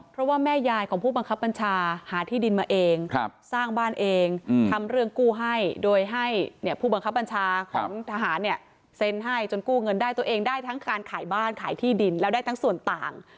เพราะว่าแม่ยายของผู้บังคับบัญชาหาที่ดินมาเองสร้างบ้านเองทำเรื่องกู้ให้โดยให้ผู้บังคับบัญชาของทหารเนี่ยเซ็นให้จนกู้เงินได้ตัวเองได้ทั้งการขายบ้านขายที่ดินแล้วได้ทั้งส่วนต่าง